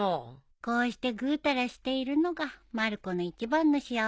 こうしてぐうたらしているのがまる子の一番の幸せなんだ。